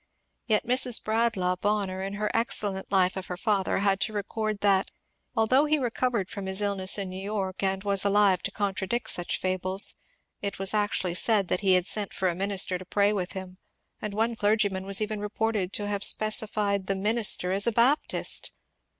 Yet Mrs. Bradlaugh Bon ner in her excellent life of her father had to record that " although he recovered from his illness in New York, and was alive to contradict such fables, it was actually said that he had sent for a minister to pray with him, and one clergy man was even reported to have specified the ^ minister ' as a Baptist